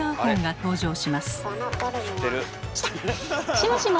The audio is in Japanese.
しもしも？